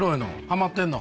ハマってんの？